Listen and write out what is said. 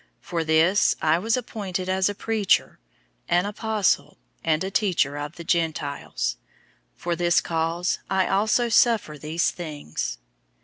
001:011 For this, I was appointed as a preacher, an apostle, and a teacher of the Gentiles. 001:012 For this cause I also suffer these things.